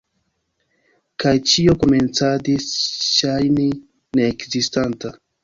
Kaj ĉio komencadis ŝajni neekzistanta.